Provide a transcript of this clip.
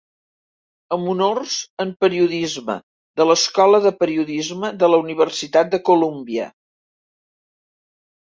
Amb honors en periodisme de l'Escola de Periodisme de la Universitat de Columbia.